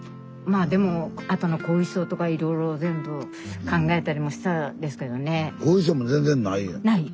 まあでもあとの後遺症とかいろいろ全部考えたりもしたですけどね。